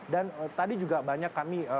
dan tadi juga banyak yang bilang